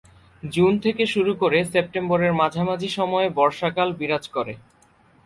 June থেকে শুরু করে সেপ্টেম্বরের মাঝামাঝি সময়ে বর্ষাকাল বিরাজ করে।